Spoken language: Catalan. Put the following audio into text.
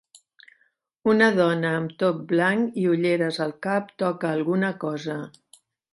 Una dona amb top blanc i ulleres al cap toca alguna cosa.